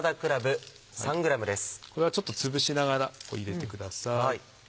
これはちょっとつぶしながら入れてください。